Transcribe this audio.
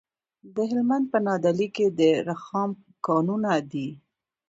د هلمند په نادعلي کې د رخام کانونه دي.